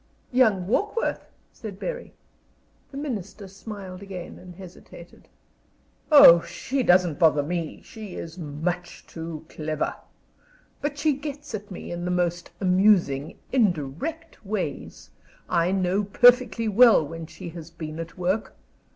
"Young Warkworth?" said Bury. The Minister smiled again and hesitated. "Oh, she doesn't bother me, she is much too clever. But she gets at me in the most amusing, indirect ways. I know perfectly well when she has been at work.